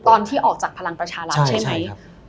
ตอนที่ออกจากพลังประชารัฐใช่ไหม